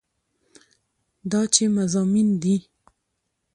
دا چې مضامين دي